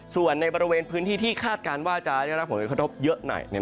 ส่วนในบริเวณพื้นที่ที่คาดการณ์ว่าจะได้รับผลกระทบเยอะหน่อย